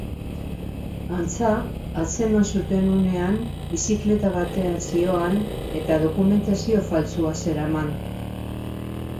Antza, atzeman zuten unean bizikleta batean zihoan eta dokumentazio faltsua zeraman.